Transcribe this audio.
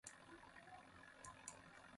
کسروْڑ خودیس نورہ نہ دے